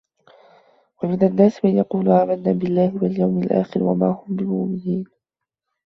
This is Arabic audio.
وَمِنَ النَّاسِ مَن يَقُولُ آمَنَّا بِاللَّهِ وَبِالْيَوْمِ الْآخِرِ وَمَا هُم بِمُؤْمِنِينَ